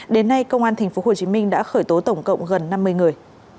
đến nay công an tp hcm đã khởi tố tổng cộng gần năm mươi người